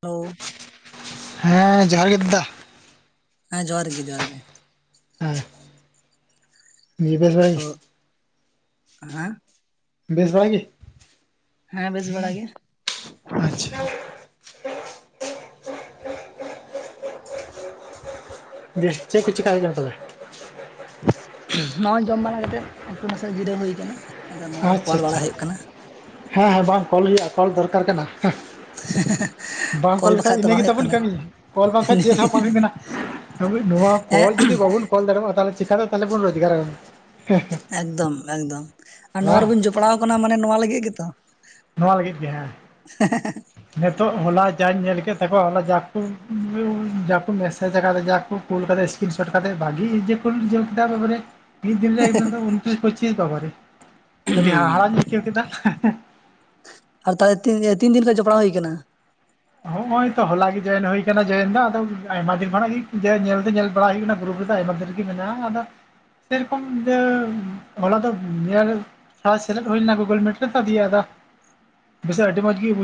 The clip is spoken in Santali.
ᱦᱸ [unintelligible] ᱦᱮᱸ ᱡᱚᱦᱟᱨ ᱜᱮ ᱫᱟᱫᱟ᱾ ᱦᱮᱸ ᱡᱚᱦᱟᱨ ᱜᱮ ᱡᱚᱦᱟᱨᱜ ᱜᱮ᱾ ᱦᱮᱸ ᱫᱤᱭᱮ ᱵᱮᱥ ᱛᱚ ᱵᱟᱲᱟᱜᱮ? ᱦᱮᱸ? ᱵᱮᱥ ᱵᱟᱵᱟᱲᱟ ᱜᱤ? ᱦᱮᱸ ᱵᱮᱥ ᱵᱟᱲᱟ ᱜᱮ ᱟᱪᱪᱷᱟ ᱵᱮᱥ ᱪᱮ ᱠᱚ ᱪᱮᱠᱟ ᱦᱳᱭᱳᱜ ᱠᱟᱱᱟ ᱛᱚᱵᱮ ᱱᱚᱜᱚᱭ ᱡᱚᱢ ᱵᱟᱲᱟ ᱠᱟᱛᱮᱫ ᱮᱠᱴᱩ ᱱᱟᱥᱮ ᱡᱤᱨᱟᱹᱣ ᱦᱩᱭ ᱠᱟᱱᱟ ᱟᱫᱚ ᱱᱚᱜᱚᱭ ᱠᱚᱞ ᱟᱪᱪᱷᱟ ᱟᱪᱪᱷᱟ ᱵᱟᱲᱟ ᱦᱩᱭᱩᱜ ᱠᱟᱱᱟ, ᱦᱮᱸ ᱦᱮᱸ ᱵᱟᱝ ᱠᱚᱞ ᱦᱩᱭᱩᱜᱼᱟ ᱠᱚᱞ ᱫᱚᱨᱠᱟᱨ ᱠᱟᱱᱟ, ᱦᱮ ᱦᱮ ᱦᱮ, ᱵᱟᱝ ᱠᱚᱞ ᱞᱮᱠᱷᱟᱡ ᱤᱱᱟᱹ ᱜᱮ ᱛᱟᱵᱚᱱ ᱠᱟᱹᱢᱤ ᱠᱚᱞ ᱵᱟᱝᱠᱷᱟᱡ ᱪᱮᱫ ᱦᱚᱸ ᱵᱟᱝ ᱦᱩᱭᱩᱜ ᱞᱮᱱᱟ, ᱱᱚᱣᱟ ᱠᱚᱞ ᱡᱩᱫᱤ ᱵᱟᱵᱚᱱ ᱠᱚᱞ ᱫᱟᱲᱮᱣᱟᱜᱼᱟ ᱛᱟᱞᱮ ᱪᱮᱠᱟᱛᱮ ᱛᱟᱦᱚᱞᱮ ᱵᱚᱱ ᱨᱳᱡᱽᱜᱟᱨᱟ, ᱮᱠᱫᱚᱢ ᱮᱠᱫᱚᱢ ᱟᱨ ᱱᱚᱣᱟ ᱵᱟᱝ ᱨᱮᱵᱤᱱ ᱡᱚᱯᱲᱟᱣ ᱠᱟᱱᱟ ᱢᱟᱱᱮ ᱱᱚᱣᱟ ᱞᱟᱹᱜᱤᱫ ᱜᱮᱛᱚ, ᱱᱚᱣᱟ ᱞᱟᱹᱜᱤᱫ ᱜᱮ ᱦᱮᱸ ᱦᱮᱸᱦᱮ ᱦᱮ ᱦᱮ ᱱᱤᱛᱚᱜ ᱦᱚᱞᱟ ᱡᱟᱧ ᱧᱮᱞ ᱠᱮᱫ ᱛᱟᱠᱚᱣᱟ ᱦᱚᱞᱟ ᱡᱟ ᱠᱚ ᱡᱟᱠᱚ ᱢᱮᱥᱮᱡᱽ ᱟᱠᱟᱫᱟ ᱡᱟ ᱠᱚ ᱠᱳᱞ ᱠᱟᱫᱟᱭ ᱥᱠᱤᱱ ᱥᱳᱴ ᱠᱟᱛᱮ ᱵᱷᱟᱜᱤ ᱠᱩᱞ ᱵᱳᱞᱮ, ᱢᱤᱫ ᱫᱤᱱ ᱨᱮ ᱩᱱᱟᱹᱜ ᱫᱚᱢ ᱫᱚ ᱩᱱᱛᱨᱤᱥ ᱯᱚᱸᱪᱤᱥ ᱵᱟᱵᱟᱨᱮ ᱟᱹᱰᱤ ᱦᱟᱦᱟᱲᱟᱜ ᱟᱹᱭᱠᱟᱹᱣ ᱠᱮᱫᱟ ᱟᱨ ᱛᱟᱦᱚᱞᱮ ᱛᱤᱱ ᱛᱤᱱ ᱫᱤᱱ ᱠᱷᱡ ᱡᱚᱯᱲᱟᱣ ᱦᱩᱭ ᱠᱟᱱᱟ, ᱱᱚᱜ ᱚᱚᱭ ᱛᱚ ᱦᱚᱞᱟ ᱜᱮ ᱡᱚᱭᱮᱱ ᱦᱩᱭ ᱠᱟᱱᱟ ᱡᱚᱭᱮᱱ ᱫᱚ ᱟᱫᱚ ᱟᱭᱢᱟ ᱫᱤᱱ ᱠᱷᱚᱱᱟᱜ ᱜᱮ ᱧᱮᱞ ᱫᱚ ᱧᱮᱞ ᱵᱟᱲᱟ ᱦᱩᱭᱩᱜ ᱠᱟᱱᱟ ᱜᱨᱩᱯ ᱨᱮᱫᱚ ᱟᱭᱢᱟ ᱫᱤᱱ ᱨᱮᱜᱮ, ᱢᱮᱱᱟᱜᱼᱟ ᱟᱫᱚ ᱥᱮᱨᱚᱠᱚᱢ ᱡᱮ ᱦᱚᱞᱟ ᱫᱚ ᱧᱮᱞ, ᱦᱚᱞᱟ ᱥᱮᱞᱮᱫ ᱦᱩᱭ ᱞᱮᱱᱟ ᱜᱳᱜᱳᱞ ᱢᱮᱴ ᱨᱮ ᱛᱚ ᱫᱤᱭᱮ ᱟᱫᱟ ᱵᱮ ᱟᱹᱰᱤ ᱢᱚᱸ ᱜᱮ ᱵᱩᱡᱼᱼ